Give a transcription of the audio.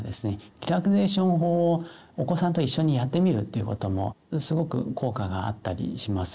リラクゼーション法をお子さんと一緒にやってみるっていうこともすごく効果があったりします。